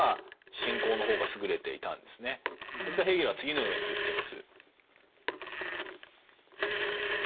実はヘーゲルは次のように言っています。